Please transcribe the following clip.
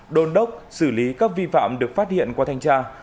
đôn đốc xử lý các vi phạm được phát hiện qua thanh tra